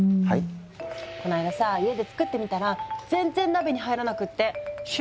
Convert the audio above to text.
この間さ家で作ってみたら全然鍋に入らなくって。